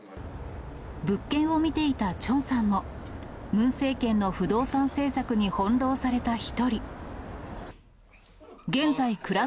物件を見ていたチョンさんも、ムン政権の不動産政策に翻弄された一人。